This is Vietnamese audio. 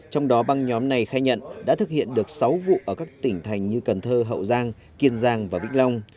trong đó băng nhóm này khai nhận đã thực hiện được sáu vụ ở các tỉnh thành như cần thơ hậu giang kiên giang và vĩnh long